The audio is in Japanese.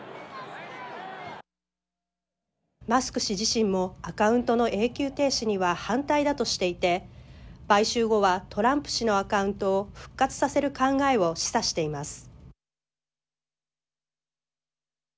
マスク氏自身も、アカウントの永久停止には反対だとしていて買収後はトランプ氏のアカウントを復活させる考えを示唆しています。